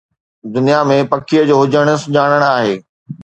دنيا ۾ پکيءَ جو هجڻ، سُڃاڻڻ آهي